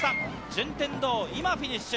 順天堂、今フィニッシュ。